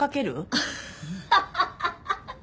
アハハハハ！